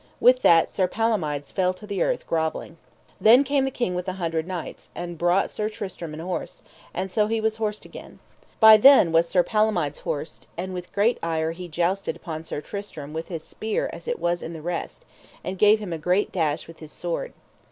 With that Sir Palomides fell to the earth grovelling. Then came the King with the Hundred Knights, and brought Sir Tristram an horse, and so was he horsed again. By then was Sir Palomides horsed, and with great ire he jousted upon Sir Tristram with his spear as it was in the rest, and gave him a great dash with his sword.